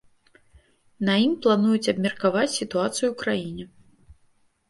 На ім плануюць абмеркаваць сітуацыю ў краіне.